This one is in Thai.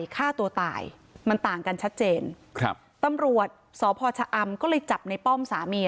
ฆ่าตัวตายมันต่างกันชัดเจนครับตำรวจสพชะอำก็เลยจับในป้อมสามี